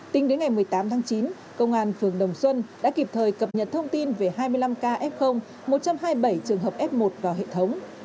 tính đến ngày một mươi tám tháng chín công an phường đồng xuân đã kịp thời cập nhật thông tin về hai mươi năm kf một trăm hai mươi bảy trường hợp f một vào hệ thống